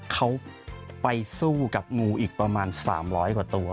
เขาไปสู้กับงูอีกประมาณ๓๐๐กว่าตัว